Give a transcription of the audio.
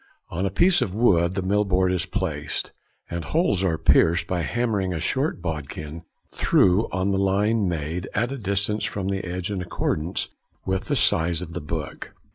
On a piece of wood the mill board is placed, and holes are pierced by hammering a short bodkin through on the line made, at a distance from the edge in accordance with the size of the book.